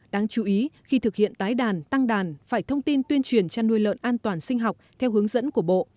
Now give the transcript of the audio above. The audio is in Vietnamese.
đáng chú ý khi thực hiện tái đàn tăng đàn phải thông tin tuyên truyền chăn nuôi lợn an toàn sinh học theo hướng dẫn của bộ